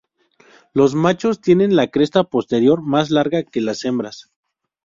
Los machos tienen la cresta posterior más larga que las hembras.